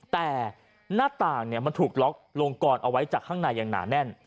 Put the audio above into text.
แต่หน้าต่างมันถูกล็อกลงกรเอาไว้จากข้างในอย่างหนาแน่น